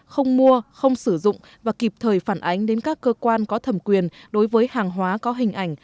không mua không sử dụng và kịp thời phản ánh đến các cơ quan có thẩm quyền đối với hàng hóa có hình ảnh